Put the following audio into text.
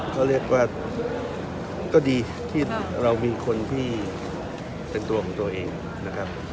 ก็เรียกว่าก็ดีที่เรามีคนที่เป็นตัวของตัวเองนะครับ